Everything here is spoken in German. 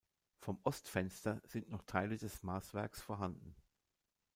Vom Ostfenster sind noch Teile des Maßwerks vorhanden.